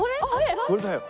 これだよ。